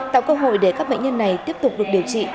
tạo cơ hội để các bệnh nhân này tiếp tục được điều trị